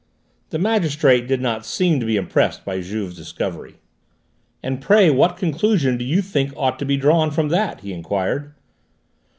The magistrate did not seem to be impressed by Juve's discovery. "And pray what conclusion do you think ought to be drawn from that?" he enquired.